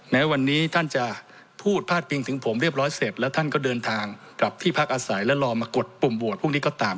แม้วันนี้ท่านจะพูดพาดพิงถึงผมเรียบร้อยเสร็จแล้วท่านก็เดินทางกลับที่พักอาศัยและรอมากดปุ่มโหวตพวกนี้ก็ตาม